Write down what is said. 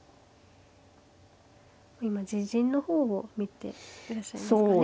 今自陣の方を見ていらっしゃいますかね。